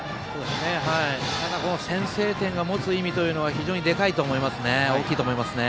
ただ、先制点が持つ意味は非常に大きいと思いますね。